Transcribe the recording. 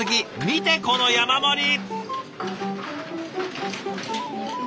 見てこの山盛り！